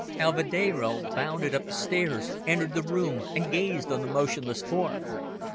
Alvedero bounded up the stairs, entered the room, and gazed on the motionless form.